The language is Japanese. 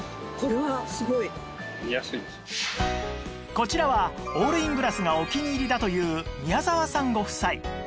こちらはオールイングラスがお気に入りだという宮澤さんご夫妻